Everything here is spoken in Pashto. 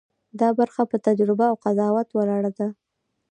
دا برخه په تجربه او قضاوت ولاړه ده.